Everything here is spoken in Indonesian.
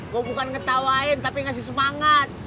gua bukan ketawain tapi ngasih semangat